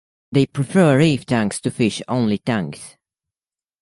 They prefer reef tanks to fish only tanks.